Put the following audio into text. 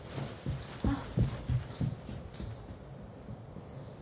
あっ。